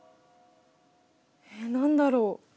え何だろう？